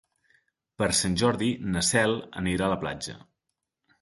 Per Sant Jordi na Cel anirà a la platja.